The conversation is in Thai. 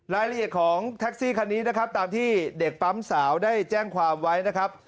รายละเอียดของแท็กซี่คันนี้นะครับตามที่เด็กปั๊มสาวได้แจ้งความไว้นะครับ